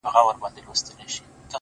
ستا دپښو سپين پايزيبونه زما بدن خوري”